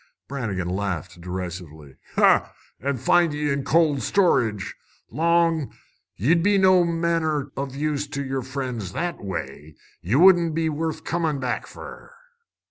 Brannigan laughed derisively. "An' find ye in cold storage, Long! Ye'd be no manner o' use to yer friends that way. Ye wouldn't be worth comin' back fer."